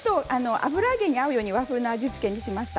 油揚げに合うように甘めの味付けにしました。